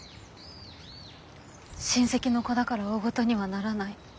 親戚の子だから大ごとにはならない。